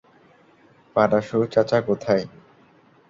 পারাসু চাচা কোথায়?